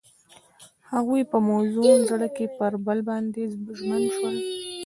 هغوی په موزون زړه کې پر بل باندې ژمن شول.